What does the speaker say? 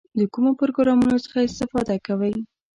د کومو پروګرامونو څخه استفاده کوئ؟